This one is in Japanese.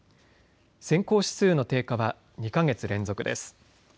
先行指数の低下は２か月連続です。